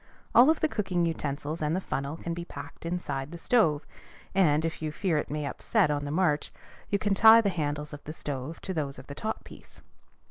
All of the cooking utensils and the funnel can be packed inside the stove; and, if you fear it may upset on the march, you can tie the handles of the stove to those of the top piece.